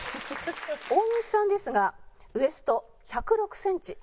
大西さんですがウエスト１０６センチ。